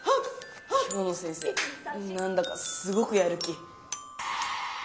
今日の先生なんだかすごくやる気。